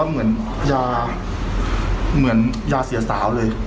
เหมือนยาเสียสาวเลย